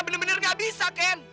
bener bener gak bisa ken